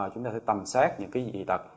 chúng ta sẽ tầm xét những cái dị tật